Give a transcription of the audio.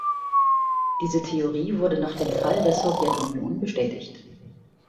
Diese Theorie wurde nach dem Fall der Sowjetunion bestätigt.